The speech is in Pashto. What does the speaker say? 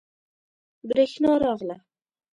بریښنا راغله